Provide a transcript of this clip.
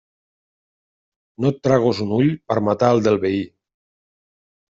No et treguis un ull per matar el del veí.